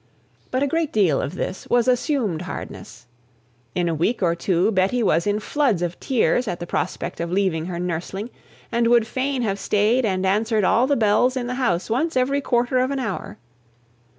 But a great deal of this was assumed hardness. In a week or two Betty was in floods of tears at the prospect of leaving her nursling, and would fain have stayed and answered all the bells in the house once every quarter of an hour.